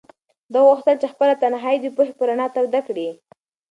ده غوښتل چې خپله تنهایي د پوهې په رڼا توده کړي.